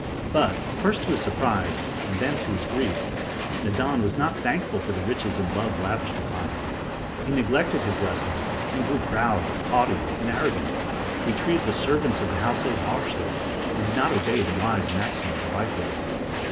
But, first to his surprise, and then to his grief, Nadan was not thankful for the riches and love lavished upon him. He neglected his lessons and grew proud, haughty and arrogant. He treated the servants of the household harshly and did not obey the wise maxims of Ikkor.